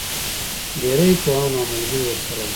ډېری پوهان او ملګري ورسره وو.